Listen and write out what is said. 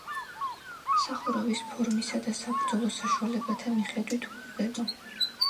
სახურავის ფორმისა და საბრძოლო საშუალებათა მიხედვით გვხვდება.